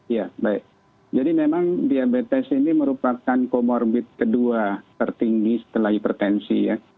ya baik jadi memang diabetes ini merupakan comorbid kedua tertinggi setelah hipertensi ya